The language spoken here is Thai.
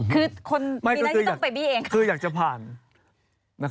คือมีหน้าที่ต้องไปวิเอง